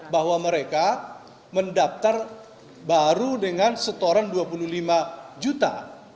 bahwa mereka mendaftar baru dengan setoran dua puluh lima juta